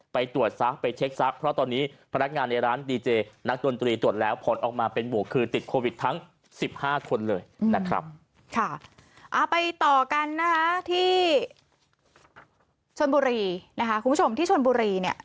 นั่นครับค่ะเอาไปต่อกันนะคะที่ชนบุรีนะคะคุณผู้ชมที่ชนบุรีเนี่ย